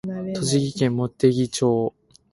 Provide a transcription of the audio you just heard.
栃木県茂木町